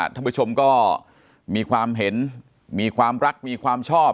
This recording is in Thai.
ท่านผู้ชมก็มีความเห็นมีความรักมีความชอบ